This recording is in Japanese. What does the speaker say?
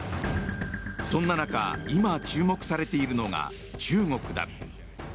そんな中、今注目されているのが中国だ。